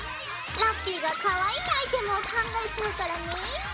ラッピィがかわいいアイテムを考えちゃうからね。